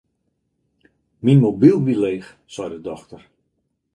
Myn mobyl wie leech, sei de dochter.